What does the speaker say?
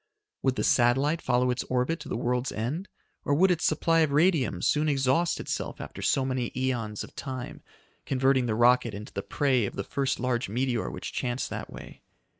Would the satellite follow its orbit to the world's end, or would its supply of radium soon exhaust itself after so many eons of time, converting the rocket into the prey of the first large meteor which chanced that way?